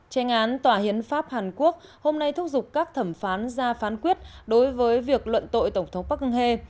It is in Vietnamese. trành án tòa hiến pháp hàn quốc hôm nay thúc giục các thẩm phán ra phán quyết đối với việc luận tội tổng thống park geun hye